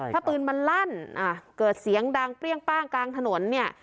ถ้าปืนมันลั่นเกิดเสียงดังเปรี้ยงป้างกลางถนนเนี่ย